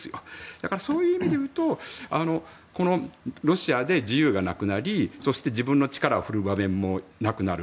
だからそういう意味で言うとロシアで自由がなくなり自分の力を振るう場面もなくなる。